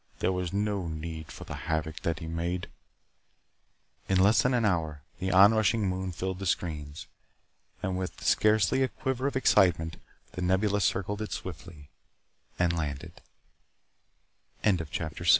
There was no need for the havoc that he made " In less than an hour, the onrushing moon filled the screens. And with scarcely a quiver of excitement the Nebula circled it swiftly and landed. CHAPTER 7 Wolden an